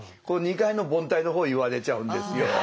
この２回の凡退の方言われちゃうんですよ。